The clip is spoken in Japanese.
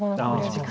時間